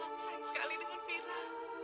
aku sayang sekali dengan fira